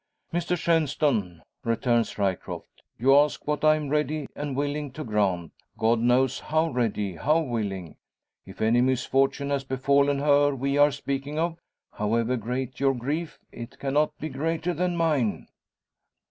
"Mr Shenstone," returns Ryecroft, "you ask what I am ready and willing to grant God knows how ready, how willing. If any misfortune has befallen her we are speaking of, however great your grief, it cannot be greater than mine."